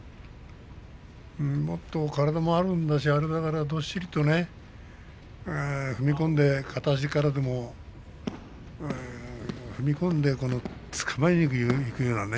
もっと体もあるんだしどっしりと踏み込んで片足からでも踏み込んでつかまえにいくようなね。